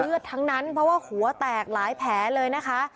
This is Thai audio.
ทั้งนั้นเพราะว่าหัวแตกหลายแผลเลยนะคะ